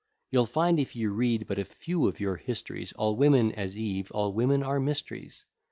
You'll find if you read but a few of your histories, All women, as Eve, all women are mysteries.